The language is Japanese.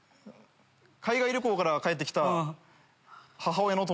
海外旅行から帰って来た母親の友達。